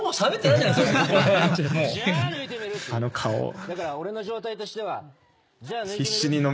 だから俺の状態としては「じゃあ抜いてみる？」